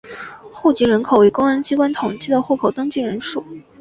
户籍人口为公安机关统计的户口登记人数。